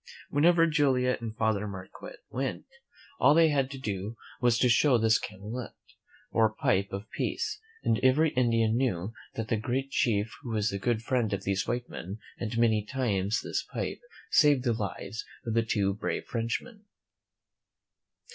Wherever Joliet and Father Marquette went, all they had to do was to show this calumet, or pipe of peace, and every Indian knew that the great chief was the good friend iC^ MEN WHO FOUND A Tvl E R I C A of these white men; and many times this pipe saved the Hves of the two brave Frenchmen.